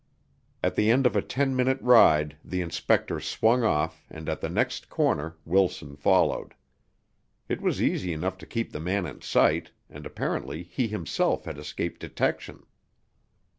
At the end of a ten minute ride the inspector swung off and at the next corner Wilson followed. It was easy enough to keep the man in sight, and apparently he himself had escaped detection.